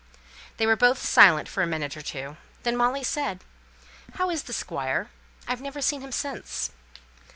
They were both silent for a minute or two. Then Molly said, "How is the Squire? I've never seen him since."